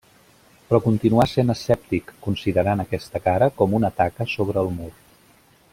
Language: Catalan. Però continua sent escèptic, considerant aquesta cara com una taca sobre el mur.